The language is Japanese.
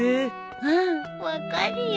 うん分かるよ。